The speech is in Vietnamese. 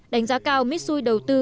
đánh giá cao mitsui đầu tư